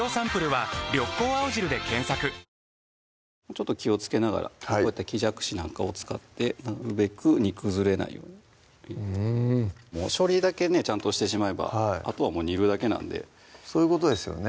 ちょっと気をつけながら木じゃくしなんかを使ってなるべく煮崩れないようにうん処理だけねちゃんとしてしまえばあとはもう煮るだけなんでそういうことですよね